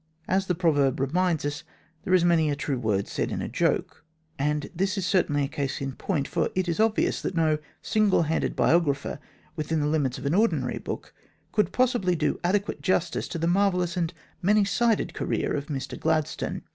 As the proverb reminds us, there is many a true word said in a joke, and this is certainly a case in point, for it is obvious that no single handed biographer, within the limits of an ordinary book, could possibly do adequate justice to the marvellous and many sided career of Mr Glad stone.